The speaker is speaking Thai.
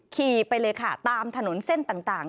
ขี่ไปเลยค่ะตามถนนเส้นต่าง